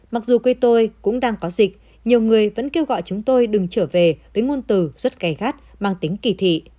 mặc dù quê tôi cũng đang có dịch nhiều người vẫn kêu gọi chúng tôi đừng trở về với ngôn từ rất gai gắt mang tính kỳ thị